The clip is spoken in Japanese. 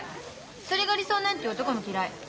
それが理想なんていう男も嫌い。